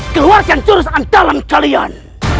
keluarkan jurusan dalam kalian